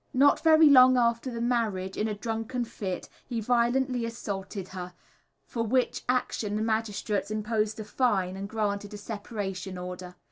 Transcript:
Not very long after the marriage, in a drunken fit, he violently assaulted her, for which action the magistrates imposed a fine and granted a separation order.